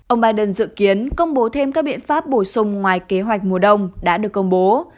ông biden dự kiến công bố thêm các biện pháp bổ sung ngoài kế hoạch mùa đông đã được công bố